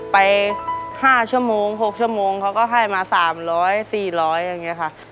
ไป๕ชั่วโมง๖ชั่วโมงเขาก็ให้มา๓๐๐๔๐๐อย่างนี้ค่ะ